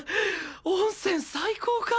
温泉最高か！